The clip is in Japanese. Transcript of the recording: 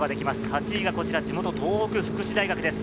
８位がこちら地元・東北福祉大学です。